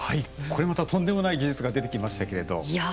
これまたとんでもない技術が出てきましたけれど。